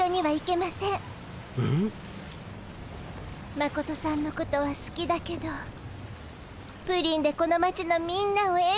マコトさんのことはすきだけどプリンでこの町のみんなをえがおにする。